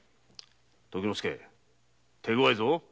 時之介手ごわいぞ。